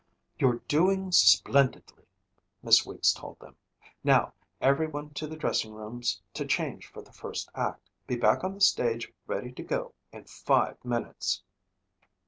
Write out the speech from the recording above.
"You're doing splendidly," Miss Weeks told them. "Now everyone to the dressing rooms to change for the first act. Be back on the stage ready to go in five minutes."